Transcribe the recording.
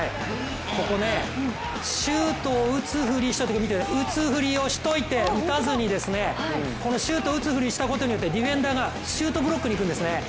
ここ、シュートを打つフリをしたところ、見て、フリをして打たずに、シュート打つフリをしたことによってディフェンダーがシュートブロックにいくんですね。